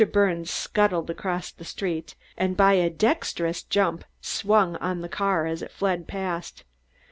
Birnes scuttled across the street, and by a dexterous jump swung on the car as it fled past.